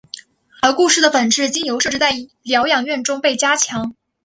而故事的本质经由设置在疗养院中被加强。